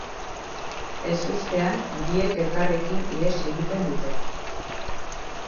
Ezustean biek elkarrekin ihes egiten dute.